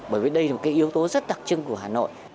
bởi vì đây là một cái yếu tố rất đặc trưng của hà nội